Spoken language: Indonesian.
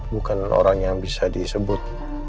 bukan orang yang bisa disebut